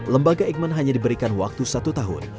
lembaga eijkman hanya diberikan waktu satu tahun